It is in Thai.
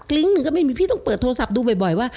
ลิงก์หนึ่งก็ไม่มีพี่ต้องเปิดโทรศัพท์ดูบ่อยว่า